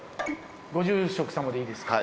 ご住職様でいいですか？